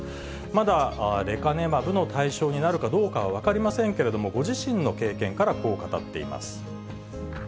まだ、レカネマブの対象になるかどうかは分かりませんけれども、ご自身の経験からこう語っています。